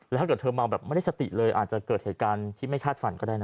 แล้วถ้าเกิดเธอเมาแบบไม่ได้สติเลยอาจจะเกิดเหตุการณ์ที่ไม่คาดฝันก็ได้นะ